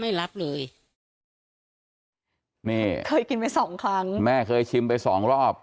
ไม่รับเลยนี่เคยกินไปสองครั้งแม่เคยชิมไปสองรอบ